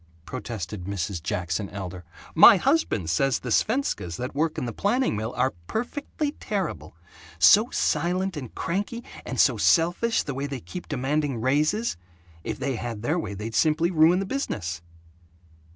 protested Mrs. Jackson Elder. "My husband says the Svenskas that work in the planing mill are perfectly terrible so silent and cranky, and so selfish, the way they keep demanding raises. If they had their way they'd simply ruin the business."